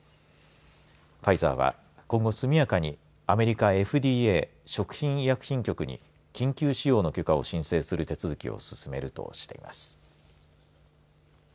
ファイザーは今後速やかにアメリカＦＤＡ食品医薬品局に緊急使用の許可を申請する手続きを進めるとしています。